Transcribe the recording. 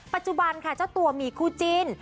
ปัจจุบันค่ะเจ้าตัวมีคู่จิ้น